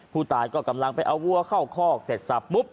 ผู้ตายก็กำลังไปเอาวัวเข้าคอกเสร็จสับปุ๊บ